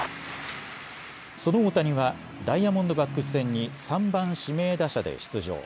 その大谷はダイヤモンドバックス戦に３番・指名打者で出場。